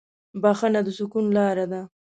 بښنه د سکون لاره ده.